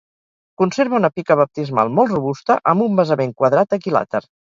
Conserva una pica baptismal molt robusta amb un basament quadrat equilàter.